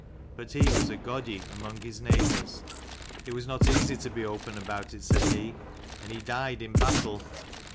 But he was a Godi among his neighbours, and it was not easy to be open about it, and then he died in battle."